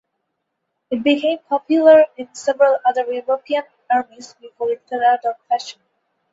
It became popular in several other European armies before it fell out of fashion.